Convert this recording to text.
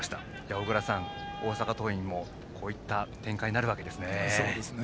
小倉さん、大阪桐蔭もこういった展開になるわけですね。